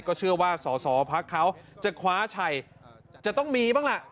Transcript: ก็เชื่อว่าสอสอพักเขาจะคว้าชัยจะต้องมีบ้างล่ะ